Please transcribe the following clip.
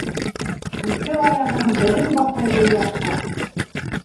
Ике аяғының берен баҫмай был яҡҡа!